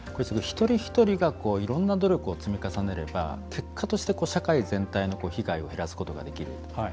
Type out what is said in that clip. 一人一人がいろんな努力を積み重ねれば結果として社会全体の被害を減らすことができる。